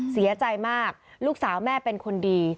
เสียใจมากลูกสาวแม่เป็นคนดี